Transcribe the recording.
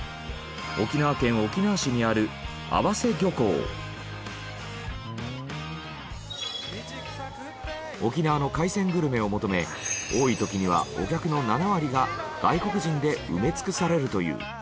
沖縄県沖縄市にある沖縄の海鮮グルメを求め多い時にはお客の７割が外国人で埋め尽くされるという。